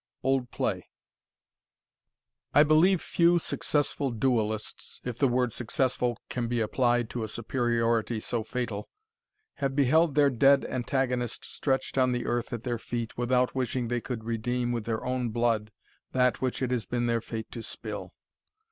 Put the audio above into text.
OLD PLAY. I believe few successful duellists (if the word successful can be applied to a superiority so fatal) have beheld their dead antagonist stretched on the earth at their feet, without wishing they could redeem with their own blood that which it has been their fate to spill.